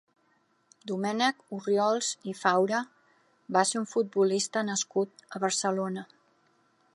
Domènec Orriols i Faura va ser un futbolista nascut a Barcelona.